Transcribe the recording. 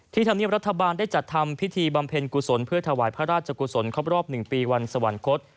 ธรรมเนียบรัฐบาลได้จัดทำพิธีบำเพ็ญกุศลเพื่อถวายพระราชกุศลครบรอบ๑ปีวันสวรรคต